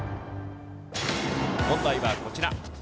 問題はこちら。